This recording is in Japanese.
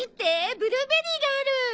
ブルーベリーがある。